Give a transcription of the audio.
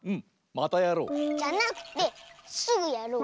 またやろう！じゃなくてすぐやろう！